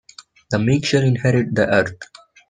The meek shall inherit the earth.